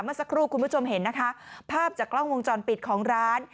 เมื่อสักครู่คุณผู้ชมเห็นนะคะภาพจากกล้องวงจรปิดของร้าน